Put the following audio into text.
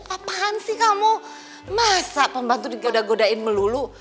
apaan sih kamu masak pembantu digoda godain melulu